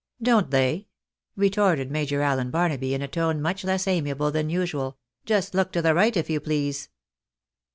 " Don't they ?" retorted Major Allen Barnaby, in a tone much less amiable than usual. " Just look to the right, if you please."